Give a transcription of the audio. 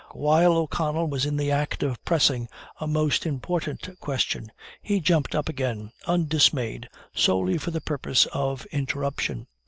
While O'Connell was in the act of pressing a most important question he jumped up again, undismayed, solely for the purpose of interruption.